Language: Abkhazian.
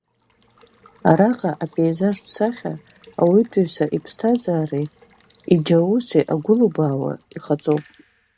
Араҟа апеизажтә сахьа ауаҩытәыҩса иԥсҭазаареи иџьауси агәылубаауа иҟаҵоуп.